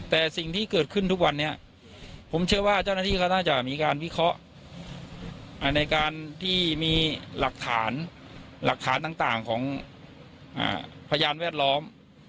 แต่สิ่งที่เกิดขึ้นทุกวันนี้ผมเชื่อว่าเจ้าหน้าที่ก็น่าจะมีการวิเคราะห์ในการที่มีหลักฐานหลักฐานต่างของพยานแวดล้อม